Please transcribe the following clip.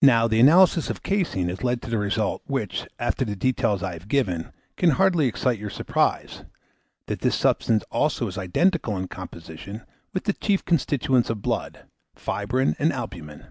Now, the analysis of caseine has led to the result, which, after the details I have given, can hardly excite your surprise, that this substance also is identical in composition with the chief constituents of blood, fibrine and albumen.